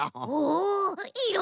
おいろ